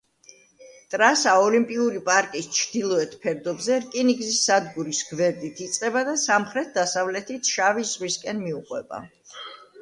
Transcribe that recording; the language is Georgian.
ტრასა ოლიმპიური პარკის ჩრდილოეთ ფერდობზე, რკინიგზის სადგურის გვერდით იწყება და სამხრეთ-დასავლეთით შავი ზღვისკენ მიუყვება.